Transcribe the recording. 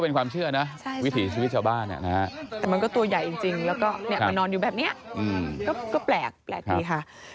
แต่มันก็ตัวใหญ่จริงแล้วมันนอนอยู่แบบนี้ก็แปลกทีค่ะ